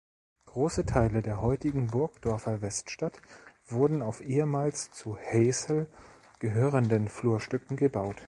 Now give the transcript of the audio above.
Große Teile der heutigen Burgdorfer Weststadt wurden auf ehemals zu Heeßel gehörenden Flurstücken gebaut.